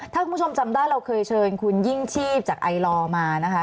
ถ้าคุณผู้ชมจำได้เราเคยเชิญคุณยิ่งชีพจากไอลอร์มานะคะ